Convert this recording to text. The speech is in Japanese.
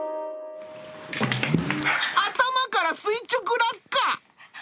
頭から垂直落下。